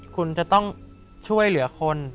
คุณจะต้องช่วยเหลือคน